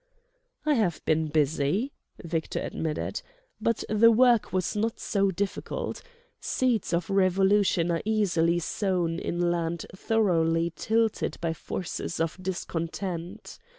"I have been busy," Victor admitted. "But the work was not so difficult ... Seeds of revolution are easily sown in land thoroughly tilled by forces of discontent.